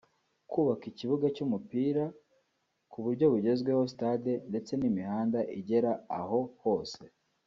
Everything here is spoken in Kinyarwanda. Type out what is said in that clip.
kubaka ikibuga cy’umupira ku buryo bugezweho (Stade) ndetse n’imihanda igera aho hose